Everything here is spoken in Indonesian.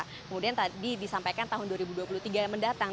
kemudian tadi disampaikan tahun dua ribu dua puluh tiga mendatang